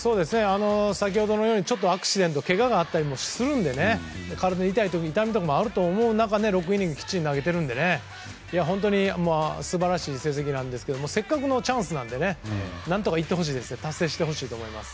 先ほどのようにアクシデントやけがもあったりするので体の痛みとかがある中で６イニングきっちり投げているので本当に素晴らしい成績ですけどせっかくのチャンスなので何とか達成してほしいと思います。